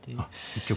一局？